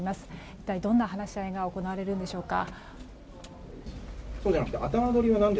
一体、どんな話し合いが行われるのでしょうか。